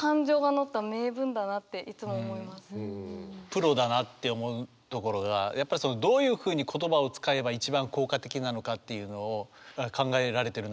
プロだなって思うところがやっぱりどういうふうに言葉を使えば一番効果的なのかっていうのを考えられてるなというやっぱ「刺す」